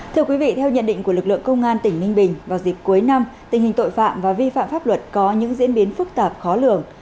thưa quý vị theo nhận định của lực lượng công an tỉnh ninh bình vào dịp cuối năm tình hình tội phạm và vi phạm pháp luật có những diễn biến phức tạp khó lường